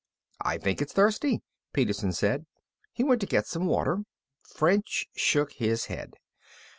"I think it's thirsty," Peterson said. He went to get some water. French shook his head.